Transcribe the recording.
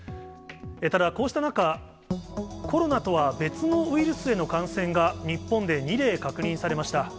ただ、こうした中、コロナとは別のウイルスへの感染が日本で２例確認されました。